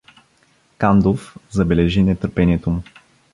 Кандов забележи нетърпението му.